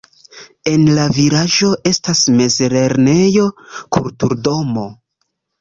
En la vilaĝo estas mezlernejo, kulturdomo.